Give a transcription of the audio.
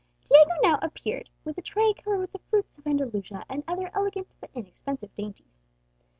Diego now appeared with a tray covered with the fruits of Andalusia, and other elegant but inexpensive dainties.